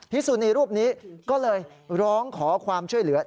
สุนีรูปนี้ก็เลยร้องขอความช่วยเหลือ